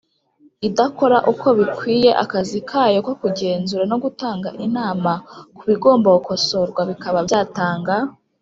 idakora uko bikwiye akazi kayo ko kugenzura no gutanga inama ku bigomba gukosorwa bikaba byatanga